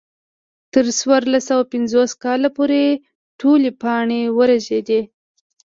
تر څلور سوه پنځوس کاله پورې ټولې پاڼې ورژېدې.